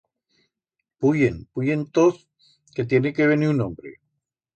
Puyen, puyen toz que tiene que venir un hombre.